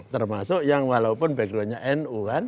termasuk yang walaupun backgroundnya nu kan